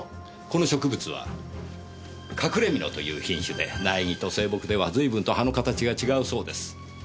この植物はカクレミノという品種で苗木と成木では随分と葉の形が違うそうです。